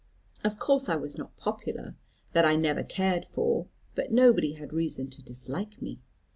Of course I was not popular; that I never cared for; but nobody had reason to dislike me.